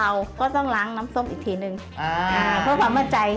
ขาวก็ต้องล้างน้ำส้มอีกทีหนึ่งเพื่อความเมื่อใจ